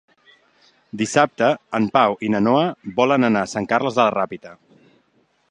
Dissabte en Pau i na Noa volen anar a Sant Carles de la Ràpita.